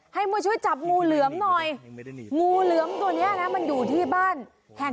ให้มูชี่กูชับงูเหลือมหน่อยกู้ไพต้องมาช่วยพระเฉาบ้านบอกว่า